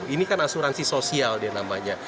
ini kan asuransi sosial dia namanya